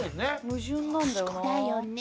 矛盾なんだよな。